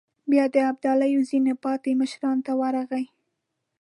بيا د ابداليو ځينو پاتې مشرانو ته ورغی.